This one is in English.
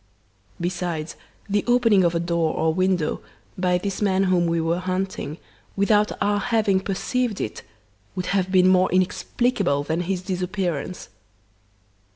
Besides, the opening of a door or window by this man whom we were hunting, without our having perceived it, would have been more inexplicable than his disappearance.